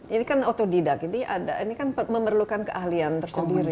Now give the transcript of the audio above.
ini kan otodidak ini kan memerlukan keahlian tersendiri